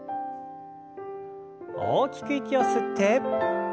大きく息を吸って。